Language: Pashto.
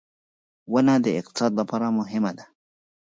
• ونه د اقتصاد لپاره مهمه ده.